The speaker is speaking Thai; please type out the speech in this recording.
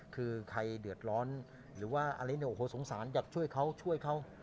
คือใครเดือดร้อนหรือว่าสงสารอยากช่วยเขาช่วยเขา